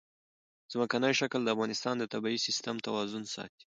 ځمکنی شکل د افغانستان د طبعي سیسټم توازن ساتي.